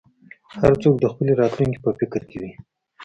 هر څوک د خپلې راتلونکې په فکر کې وي.